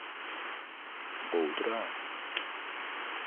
Gowudyra